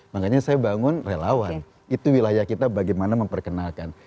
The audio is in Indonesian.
makanya saya bangun relawan itu wilayah kita bagaimana memperkenalkan